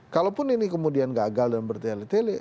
kalaupun ini kemudian gagal dan bertele tele